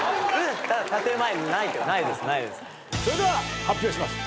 それでは発表します。